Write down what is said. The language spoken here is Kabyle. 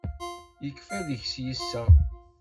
Yekfa deg-s yiseɣ.